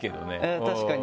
確かに！